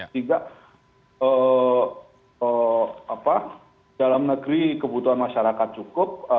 sehingga dalam negeri kebutuhan masyarakat cukup